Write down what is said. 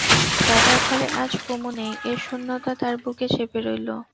দাদার ঘরে আজ কুমু নেই, এ শূন্যতা তার বুকে চেপে রইল।